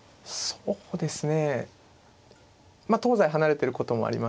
そうですね。